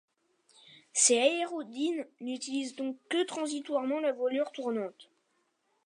Ces aérodynes n'utilisent donc que transitoirement la voilure tournante.